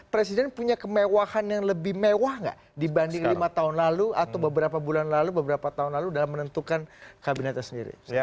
presiden punya kemewahan yang lebih mewah nggak dibanding lima tahun lalu atau beberapa bulan lalu beberapa tahun lalu dalam menentukan kabinetnya sendiri